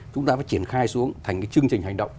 chúng ta phải triển khai xuống thành cái chương trình hành động